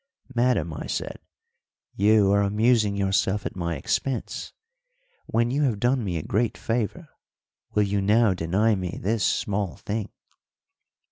"Madam," I said, "you are amusing yourself at my expense. When you have done me a great favour, will you now deny me this small thing?